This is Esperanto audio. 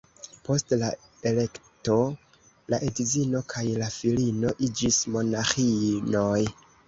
Post la elekto la edzino kaj la filino iĝis monaĥinoj.